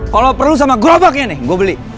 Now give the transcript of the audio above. kalau perlu sama gerobaknya nih gue beli